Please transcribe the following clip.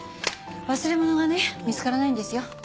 忘れ物がね見つからないんですよ。